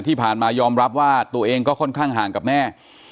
ที่ผ่านมายอมรับว่าตัวเองก็ค่อนข้างห่างกับแม่